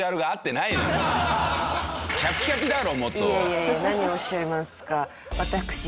いやいや何をおっしゃいますか。